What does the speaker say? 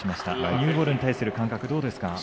ニューボールに対する感覚どうですか？